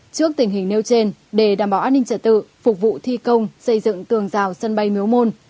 trước tình hình nêu trên để đảm bảo an ninh trật tự phục vụ thi công xây dựng tường rào sân bay miếu môn